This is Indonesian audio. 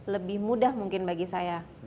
lebih mudah mungkin bagi saya